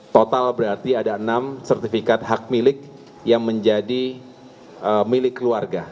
total berarti ada enam sertifikat hak milik yang menjadi milik keluarga